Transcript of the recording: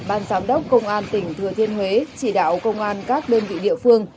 ban giám đốc công an tỉnh thừa thiên huế chỉ đạo công an các đơn vị địa phương